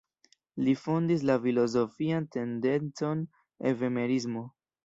Li fondis la filozofian tendencon Evemerismo.